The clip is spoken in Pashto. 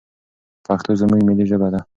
پښتو زموږ ملي ژبه ده.